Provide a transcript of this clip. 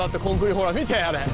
ほら見てあれ。